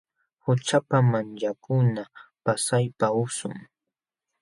Qućhapa manyankuna pasaypa usum.